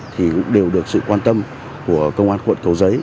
thì cũng đều được sự quan tâm của công an quận cầu giấy